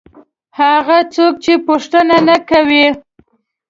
هغه څوک چې پوښتنه نه کوي.